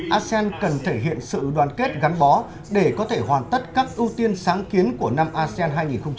asean cần thể hiện sự đoàn kết gắn bó để có thể hoàn tất các ưu tiên sáng kiến của năm asean hai nghìn hai mươi